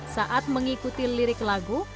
saat mengikuti lirik lagu